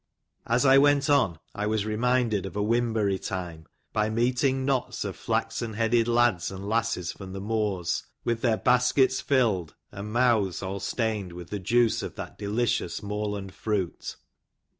As I went on I was reminded of " wimberry time," by meeting knots of flaxen headed lads and lasses from the moors, with their baskets filled, and mouths all stained with the juice of that delicious moorland fruit.